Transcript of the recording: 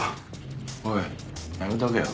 おいやめとけよ。